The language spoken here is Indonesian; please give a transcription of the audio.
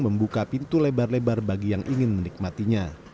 membuka pintu lebar lebar bagi yang ingin menikmatinya